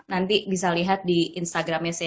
nanti bisa lihat di instagramnya saya